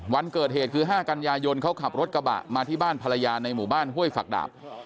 วันเกิดเหตุคือ๕กันยายนเขาขับรถกระบะมาที่บ้านภรรยาในหมู่บ้านห้วยฝักดาบ